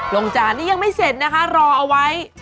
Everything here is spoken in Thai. จานนี้ยังไม่เสร็จนะคะรอเอาไว้